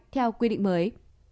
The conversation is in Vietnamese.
theo quy định mới